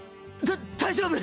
だ大丈夫。